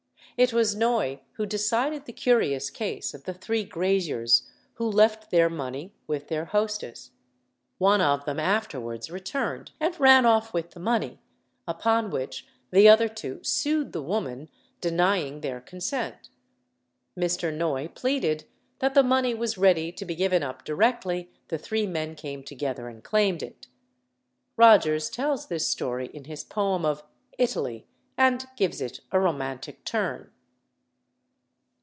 It was Noy who decided the curious case of the three graziers who left their money with their hostess. One of them afterwards returned and ran off with the money; upon which the other two sued the woman, denying their consent. Mr. Noy pleaded that the money was ready to be given up directly the three men came together and claimed it. Rogers tells this story in his poem of "Italy," and gives it a romantic turn.